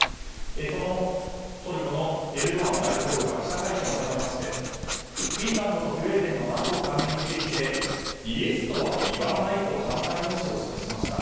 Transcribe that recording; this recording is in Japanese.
そのトルコのエルドアン大統領が記者会見を行いましてフィンランドとスウェーデンのＮＡＴＯ加盟についてイエスとは言わないと反対の意思を示しました。